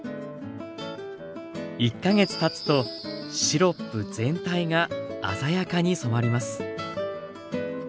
１か月たつとシロップ全体が鮮やかに染まります。